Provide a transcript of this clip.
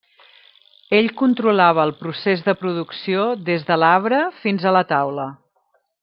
Ell controlava el procés de producció des de l'arbre fins a la taula.